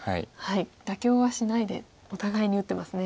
妥協はしないでお互いに打ってますね。